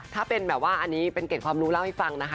ถ้าเป็นแบบว่าอันนี้เป็นเกรดความรู้เล่าให้ฟังนะคะ